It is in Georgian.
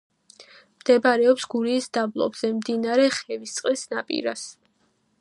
მდებარეობს გურიის დაბლობზე, მდინარე ხევისწყლის ნაპირას.